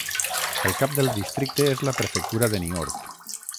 El cap del districte és la prefectura de Niort.